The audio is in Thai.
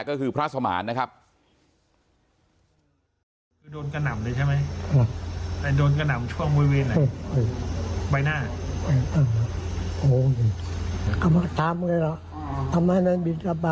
ก็คือพระสมานนะครับ